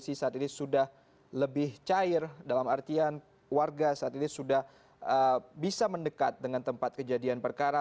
saat ini sudah bisa mendekat dengan tempat kejadian perkara